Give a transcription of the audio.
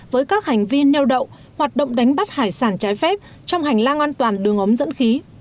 với các hành vi neo đậu hoạt động đánh bắt hải sản trái phép trong hành lang an toàn đường ống dẫn khí